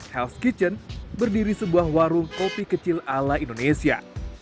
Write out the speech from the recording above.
health kitchen berdiri sebuah warung kopi kecil ala indonesia